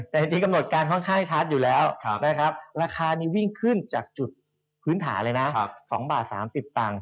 แต่จริงกำหนดการค่อนข้างชัดอยู่แล้วนะครับราคานี้วิ่งขึ้นจากจุดพื้นฐานเลยนะ๒บาท๓๐ตังค์